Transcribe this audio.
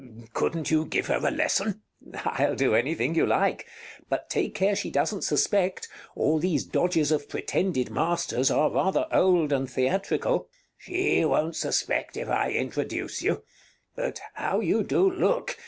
Couldn't you give her a lesson? Count I'll do anything you like. But take care she doesn't suspect. All these dodges of pretended masters are rather old and theatrical. Bartolo She won't suspect if I introduce you. But how you do look!